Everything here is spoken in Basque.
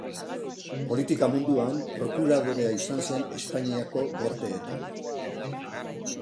Politika munduan prokuradorea izan zen Espainiako Gorteetan.